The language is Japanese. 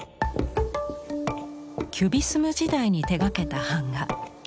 キュビスム時代に手がけた版画。